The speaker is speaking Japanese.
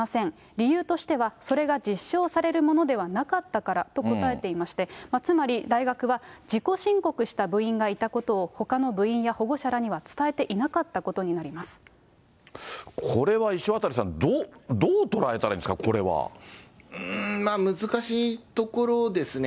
理由としては、それが実証されるものではなかったからと答えていまして、つまり、大学は自己申告した部員がいたことをほかの部員や保護者らには伝これは石渡さん、どう捉えたらいいんですか、これは。うーん、まあ難しいところですね。